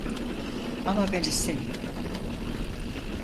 Ama ben istemiyorum.